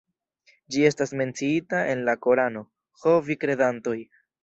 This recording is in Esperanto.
Ĝi estas menciita en la Korano: "Ho vi kredantoj!